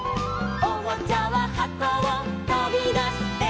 「おもちゃははこをとびだして」